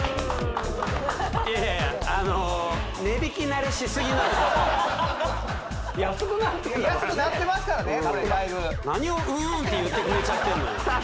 いやいやあの値引き慣れしすぎなのよ安くなってるんだからね安くなってますからね何を「うん」って言ってくれちゃってんのよさあ